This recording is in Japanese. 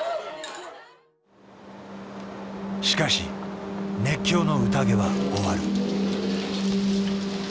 しかし熱狂の宴は終わる。